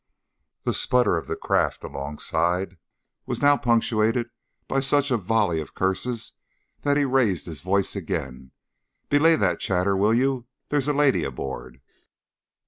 The sputter of the craft alongside was now punctuated by such a volley of curses that he raised his voice again: "Belay that chatter, will you? There's a lady aboard."